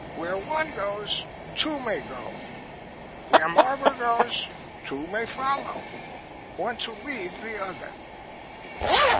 "Where one goes, two may go. Where Marvor goes, two may follow, one to lead the other."